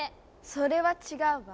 それは違うわ。